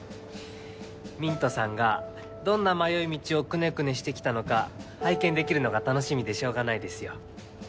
ミントさんがどんな迷い道をくねくねしてきたのか拝見できるのが楽しみでしょうがないですよ。